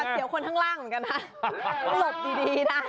เดี๋ยวคนข้างล่างเหมือนกันนะหลบดีนะ